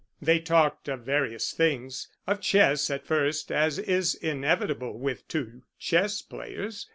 They talked of various things: of chess, at first, as is inevitable with two chess players.